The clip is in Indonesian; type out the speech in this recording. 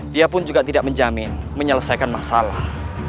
dia pun juga tidak menjamin menyelesaikan masalah